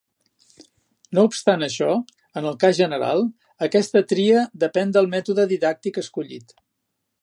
No obstant això, en el cas general, aquesta tria depèn del mètode didàctic escollit.